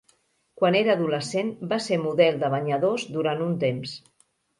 Quan era adolescent, va ser model de banyadors durant un temps.